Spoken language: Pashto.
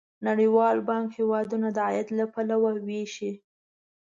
نړیوال بانک هیوادونه د عاید له پلوه ویشي.